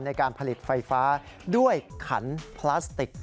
ในการผลิตไฟฟ้าด้วยขันพลาสติก